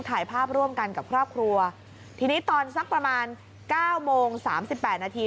ถ่ายภาพร่วมกันกับครอบครัวทีนี้ตอนสักประมาณเก้าโมงสามสิบแปดนาที